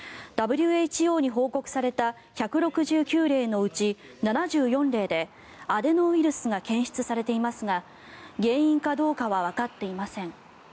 ＷＨＯに報告された１６９例のうち７４例でアデノウイルスが検出されていますが原因かどうかはわかっていません。